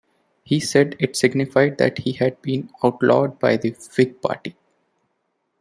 He said it signified that he had been "outlawed" by the Whig party.